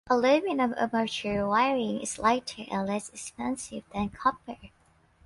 Aluminum armature wiring is lighter and less expensive than copper.